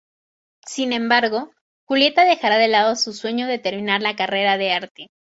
Sin embargo, Julieta dejará de lado su sueño de terminar la carrera de arte.